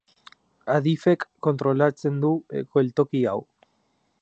Adifek kontrolatzen du geltoki hau.